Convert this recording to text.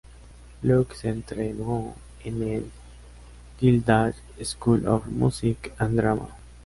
Luke se entrenó en el Guildhall School of Music and Drama.